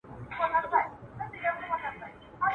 o تر کورني سړي، گښته خر ښه دئ.